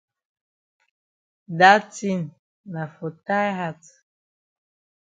Da tin na for tie hat.